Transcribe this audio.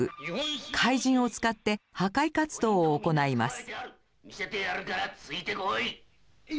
怪人を使って破壊活動を行います。